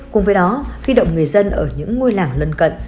cùng với đó huy động người dân ở những ngôi làng lân cận